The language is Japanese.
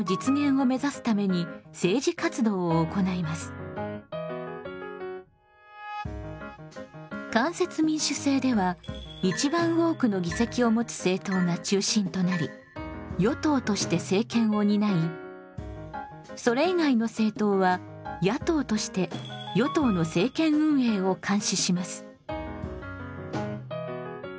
普通の会社とは違うみたいだけど間接民主制では一番多くの議席を持つ政党が中心となり与党として政権をにないそれ以外の政党は野党として与党の政権運営を監視します。